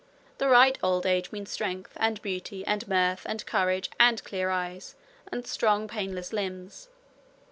The right old age means strength and beauty and mirth and courage and clear eyes and strong painless limbs.